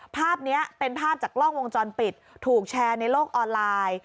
ภาพนี้เป็นภาพจากกล้องวงจรปิดถูกแชร์ในโลกออนไลน์